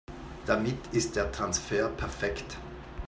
Damit ist der Transfer perfekt.